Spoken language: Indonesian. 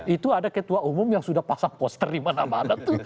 itu ada ketua umum yang sudah pasang poster dimana mana tuh